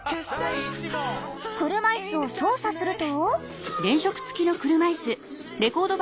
車いすを操作すると。